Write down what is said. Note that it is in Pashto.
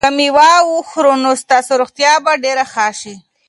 که مېوه وخورئ نو ستاسو روغتیا به ډېره ښه شي.